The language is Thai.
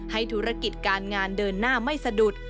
ธุรกิจการงานเดินหน้าไม่สะดุด